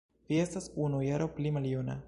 Vi estas unu jaro pli maljuna